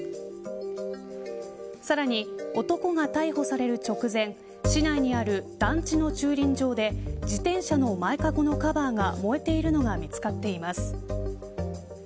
さらに男が逮捕される直前市内にある団地の駐輪場で自転車の前かごのカバーが燃えているのが見つかっています。